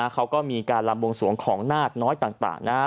เขาก็มีการลำวงสวงของนาคน้อยต่างนะฮะ